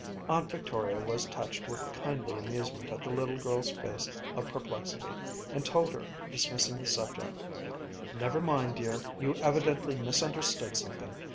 Aunt Victoria was touched with kindly amusement at the little girl's face of perplexity, and told her, dismissing the subject: "Never mind, dear, you evidently misunderstood something.